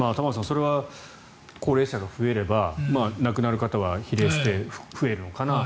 それは高齢者が増えれば亡くなる方は比例して増えるのかなと。